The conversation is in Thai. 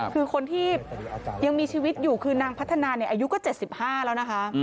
คือคนที่ยังมีชีวิตอยู่คือนางพัฒนาอายุก็๗๕แล้วนะคะ